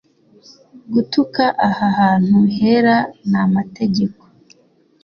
gutuka aha hantu hera n amategeko